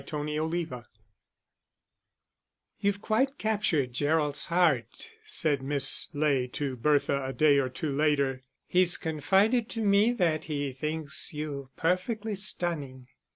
Chapter XXIX "You've quite captured Gerald's heart," said Miss Ley to Bertha a day or two later. "He's confided to me that he thinks you 'perfectly stunning.